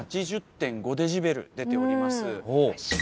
８０．５デシベル出ております。